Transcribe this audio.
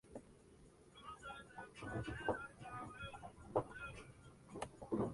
Se desempeñaba como puntero izquierdo.